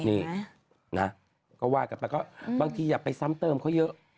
นี่นะก็ว่ากันไปก็บางทีอย่าไปซ้ำเติมเขาเยอะ